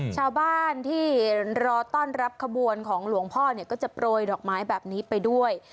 ชาวบ้านที่รอต้อนรับขบวนของหลวงพ่อเนี่ยก็จะโปรยดอกไม้แบบนี้ไปด้วย